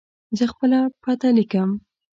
زه خپله پته لیکم.